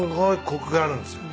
コクがあるんすよ。